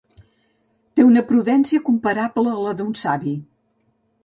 Té una prudència comparable a la d'un savi.